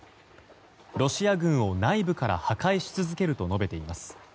ロシア軍を内部から破壊し続けると述べています。